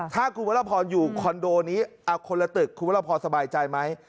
ถ้าคุณวรพรอยู่คอนโดนี้คนละตึกคุณวรพรสบายใจไหม